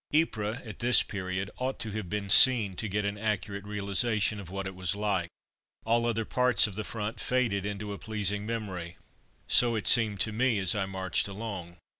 Ypres, at this period, ought to have been seen to get an accurate realization of what it was like. All other parts of the front faded into a pleasing memory; so it seemed to me as I marched along.